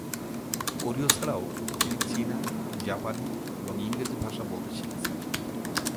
কোরীয় ছাড়াও, তিনি চীনা, জাপানি এবং ইংরেজি ভাষা বলতে শিখেছেন।